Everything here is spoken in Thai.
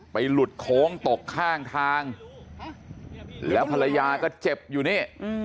หลุดโค้งตกข้างทางแล้วภรรยาก็เจ็บอยู่นี่